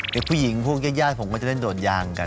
เด็กผู้หญิงพวกแยกผมก็จะเล่นโดดยางกัน